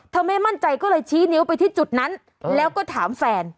ไม่มั่นใจก็เลยชี้นิ้วไปที่จุดนั้นแล้วก็ถามแฟน